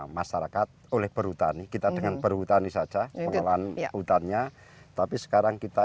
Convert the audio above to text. masyarakat oleh perhutani kita dengan perhutani saja menyalurkan ya utannya tapi sekarang kita